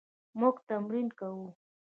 موږ تمرین کوو